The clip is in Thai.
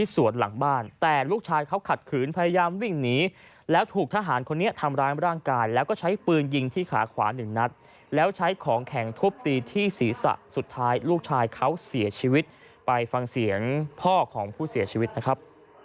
ส่วนหลังบ้านแต่ลูกชายเขาขัดขืนพยายามวิ่งหนีแล้วถูกทหารคนนี้ทำร้ายร่างกายแล้วก็ใช้ปืนยิงที่ขาขวาหนึ่งนัดแล้วใช้ของแข็งทุบตีที่ศีรษะสุดท้ายลูกชายเขาเสียชีวิตไปฟังเสียงพ่อของผู้เสียชีวิตนะครับ